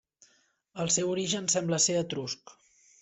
El seu origen sembla ser etrusc.